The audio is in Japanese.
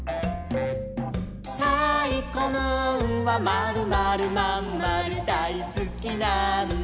「たいこムーンはまるまるまんまるだいすきなんだ」